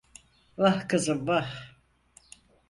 Vah kızım vah…